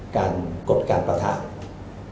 การกดการประถามนะครับ